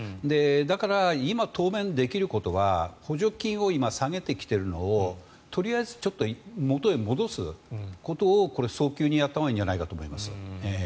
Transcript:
だから、今、当面できることは補助金を下げてきてるのをとりあえずちょっと元に戻すことを早急にやったほうがいいんじゃないかと思います。